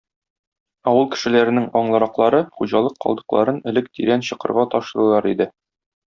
Авыл кешеләренең аңлыраклары хуҗалык калдыкларын элек тирән чокырга ташлыйлар иде.